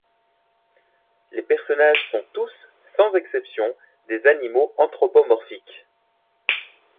Les personnages sont tous, sans exception, des animaux anthropomorphiques.